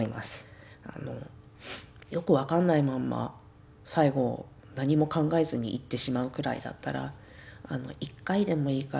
よくわかんないまんま最後何も考えずに逝ってしまうぐらいだったら１回でもいいから